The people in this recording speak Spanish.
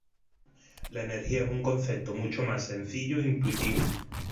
La energía es un concepto mucho más sencillo e intuitivo.